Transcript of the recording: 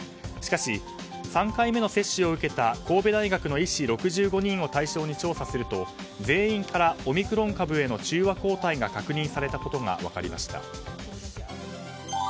しかし、３回目の接種を受けた神戸大学の医師６５人を対象に調査すると全員からオミクロン株への中和抗体が確認されたことが分かりました。